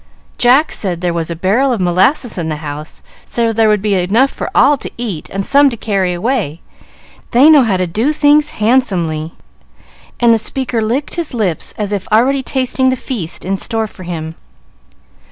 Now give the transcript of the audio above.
"Jack said there was a barrel of molasses in the house, so there would be enough for all to eat and some to carry away. They know how to do things handsomely;" and the speaker licked his lips, as if already tasting the feast in store for him.